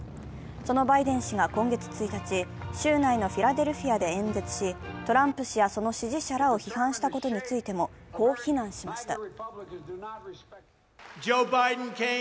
そのバイデン氏が今月１日、州内のフィラデルフィアで演説し、トランプ氏やその支持者らを批判したことについても、こう非難しました。